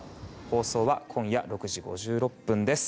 放送は今夜６時５６分です。